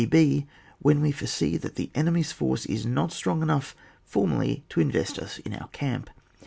When we foresee that the enemy's force is not strong enough formally to invest us in our camp.